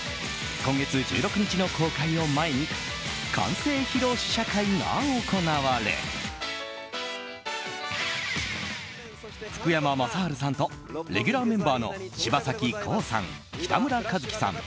今月１６日の公開を前に完成披露試写会が行われ福山雅治さんとレギュラーメンバーの柴咲コウさん、北村一輝さん